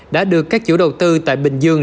đã được các chủ đầu tư tại bình dương